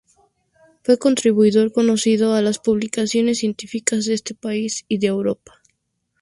Fue contribuidor conocido a las publicaciones científicas de este país y de Europa.